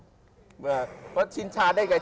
ไม่ใช่ชินชาหรอกเธอเป็นหนังสือเล่มนึงที่คนยังอ่านไม่จบ